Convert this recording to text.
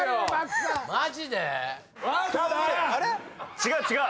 違う違う。